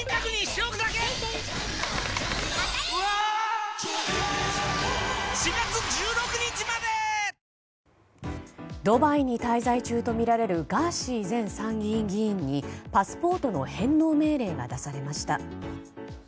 ッドバイに滞在中とみられるガーシー前参議院議員にパスポートの返納命令が出されました。